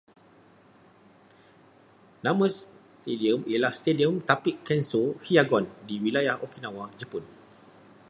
Nama stadium ialah Stadium Tapic Kenso Hiyagon, di Wilayah Okinawa, Jepun